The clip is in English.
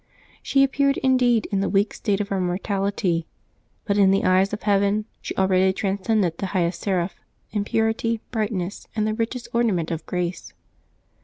She appeared indeed in the weak state of our mortality; but in the eyes of Heaven she already transcended the highest seraph in purity, brightness, and the richest ornaments of grace.